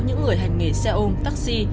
những người hành nghề xe ôm taxi